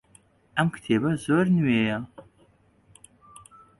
ئەم کتێبە زۆر نوێیە.